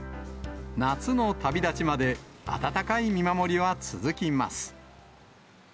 夏の旅立ちまで温かい見守りは続きます。